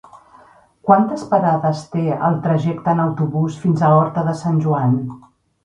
Quantes parades té el trajecte en autobús fins a Horta de Sant Joan?